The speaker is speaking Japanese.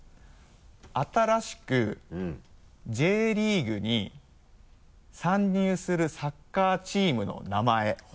新しくＪリーグに参入するサッカーチームの名前。